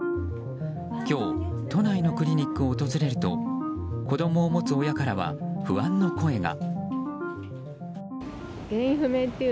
今日都内のクリニックを訪れると子供を持つ親からは不安の声が。